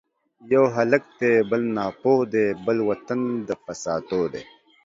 یو هلک دی بل ناپوه دی ـ بل وطن د فساتو دی